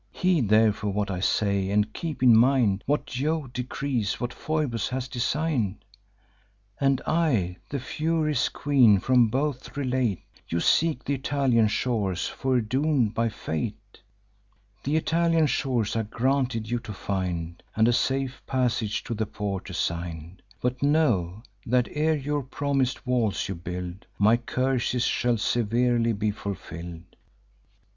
Heed therefore what I say; and keep in mind What Jove decrees, what Phoebus has design'd, And I, the Furies' queen, from both relate: You seek th' Italian shores, foredoom'd by fate: Th' Italian shores are granted you to find, And a safe passage to the port assign'd. But know, that ere your promis'd walls you build, My curses shall severely be fulfill'd.